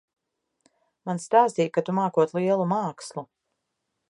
Man stāstīja, ka tu mākot lielu mākslu.